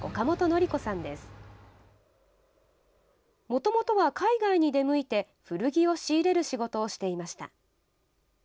もともとは海外に出向いて、古着を仕入れる仕事をしていました。